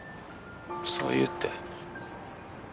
そういうって？